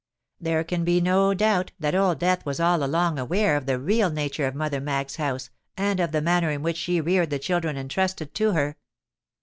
There can be no doubt that Old Death was all along aware of the real nature of Mother Maggs's house and of the manner in which she reared the children entrusted to her.